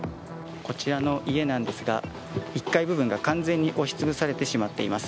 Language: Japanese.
こちらの家なんですが、１階部分が完全に押し潰されてしまっています。